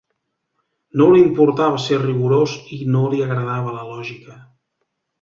No li importava ser rigorós i no li agradava la lògica.